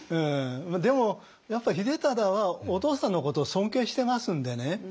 でもやっぱ秀忠はお父さんのことを尊敬してますんでね。